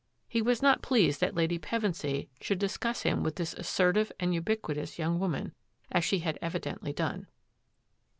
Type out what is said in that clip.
He was not pleased that Lady Pevensy should discuss him with this assertive and ubiquitous young woman, as she had evidently done.